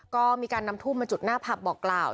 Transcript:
ก็มีการนำทุ่มมาจุดหน้าผับบอกกล่าว